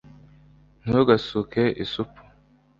ntugasuke isupu